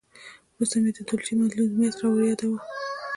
ورسته چې مې د ډولچي مظلومیت وریاداوه.